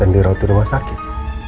dan dirawat di rumah sakit